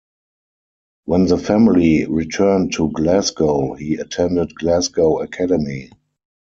When the family returned to Glasgow he attended Glasgow Academy.